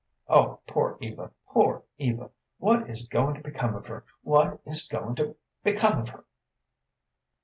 Oh, poor Eva, poor Eva! What is goin' to become of her, what is goin' to become of her?"